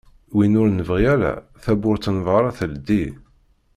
Win ur nebɣi ara tawwurt n berra teldi